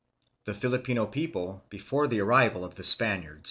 THE FILIPINO PEOPLE BEFORE THE ARRIVAL OF THE SPANIARDS.